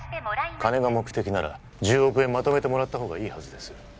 金が目的なら１０億円まとめてもらったほうがいいはずです